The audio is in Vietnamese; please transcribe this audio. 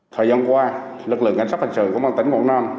thời gian qua lực lượng ngành sắp hành trường của quảng tỉnh quảng nam